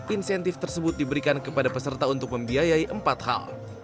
insentif tersebut diberikan kepada peserta untuk membiayai empat hal